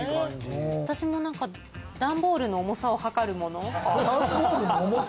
私も何か段ボールの重さを量るもの